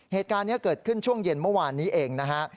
เหตุการณ์นี้เกิดขึ้นช่วงเย็นเมื่อวานนี้เองนะฮะ